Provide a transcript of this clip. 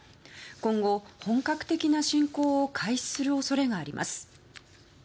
今後、本格的な侵攻を開始する恐れがあります。